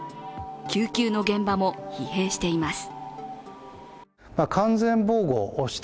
救急の現場も疲弊しています。